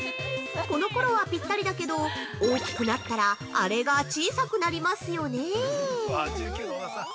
この頃はピッタリだけど、大きくなったら、アレが小さくなりますよね？